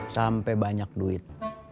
sampai banyak duit